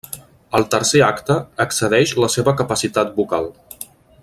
El tercer acte excedeix la seva capacitat vocal.